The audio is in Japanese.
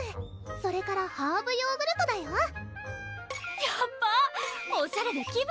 それからハーブヨーグルトだよやばおしゃれで気分